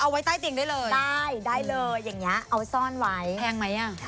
ไว้ใต้เตียงได้เลยได้ได้เลยอย่างนี้เอาไว้ซ่อนไว้แห้งไหมอ่ะ